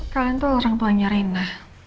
kalian tuh orang tuanya rina